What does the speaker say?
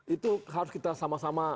itu harus kita sama sama